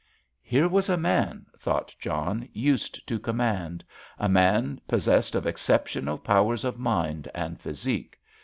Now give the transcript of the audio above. "Here was a man," thought John, "used to command—a man possessed of exceptional powers of mind and physique.